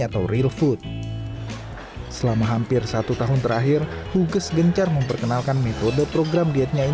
atau real food selama hampir satu tahun terakhir huges gencar memperkenalkan metode program dietnya